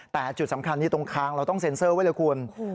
แต่จุดสำคัญนี้ตรงคางเราต้องเซ็นเซอร์ไว้เลยคุณ